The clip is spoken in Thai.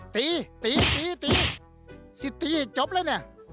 ตีจบเลยเนี่ย